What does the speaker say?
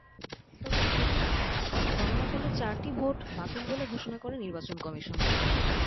তবে ত্রুটি থাকায় গণনাকালে চারটি ভোট বাতিল বলে ঘোষণা করে নির্বাচন কমিশন।